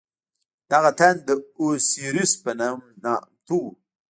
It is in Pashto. دغه تن د اوسیریس په نوم نامتوو.